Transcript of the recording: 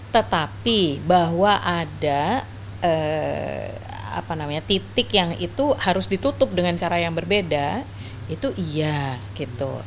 tetapi bahwa ada titik yang itu harus ditutup dengan cara yang berbeda itu iya gitu